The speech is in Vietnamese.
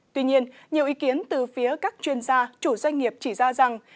tuy nhiên nhiều ý kiến từ phía các chuyên gia chủ doanh nghiệp chỉ ra rằng